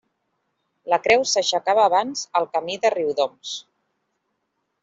La creu s'aixecava abans al camí de Riudoms.